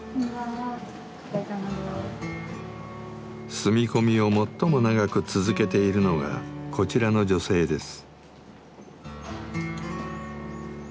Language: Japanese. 住み込みを最も長く続けているのがこちらの女性です。